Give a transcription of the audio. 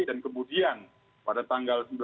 dan kemudian pada tanggal